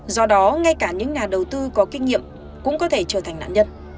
do đó ngay cả những nhà đầu tư có kinh nghiệm cũng có thể trở thành nạn nhân